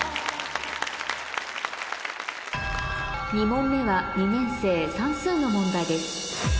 ２問目は２年生算数の問題です